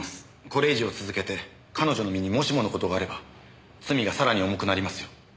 これ以上続けて彼女の身にもしもの事があれば罪がさらに重くなりますよ。